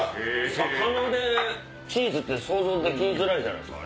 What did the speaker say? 魚でチーズって想像できづらいじゃないですか。